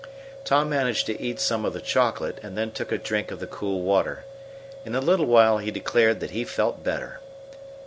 Tom managed to eat some of the chocolate, and then took a drink of the cool water. In a little while he declared that he felt better.